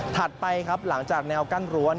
ไปครับหลังจากแนวกั้นรั้ว